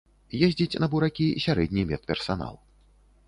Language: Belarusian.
Ездзіць на буракі сярэдні медперсанал.